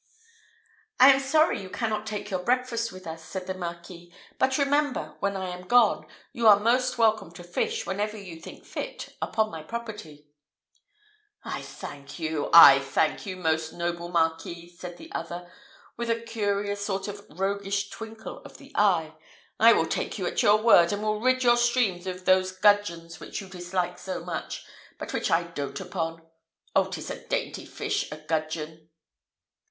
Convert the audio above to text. "I am sorry you cannot take your breakfast with us," said the Marquis; "but remember, when I am gone, you are most welcome to fish, whenever you think fit, upon my property." "I thank you, I thank you, most noble Marquis," said the other, with a curious sort of roguish twinkle of the eye; "I will take you at your word, and will rid your streams of all those gudgeons which you dislike so much, but which I dote upon. Oh, 'tis a dainty fish a gudgeon!"